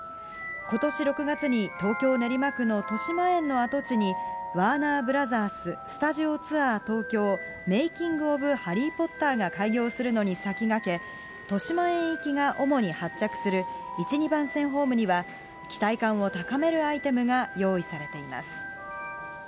ことし６月に東京・練馬区のとしまえんの跡地に、ワーナー・ブラザーススタジオ・ツアー・トーキョー・メイキング・オブ・ハリー・ポッターが開業するのに先駆け、としまえん行きが主に発着する１、２番線ホームには期待感を高めるアイテムが用意されています。